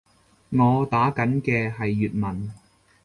我打緊嘅係粵文